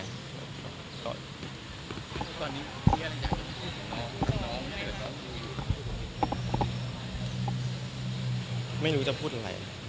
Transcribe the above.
แล้วน้องไม่รู้จะพูดอะไร